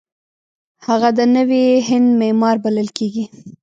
هغه د نوي هند معمار بلل کیږي.